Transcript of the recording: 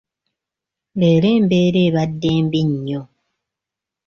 Leero embeera abadde mbi nnyo.